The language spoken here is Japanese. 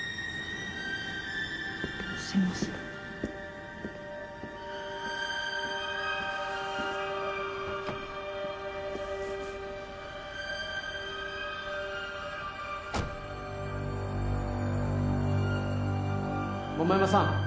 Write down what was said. すいません桃山さん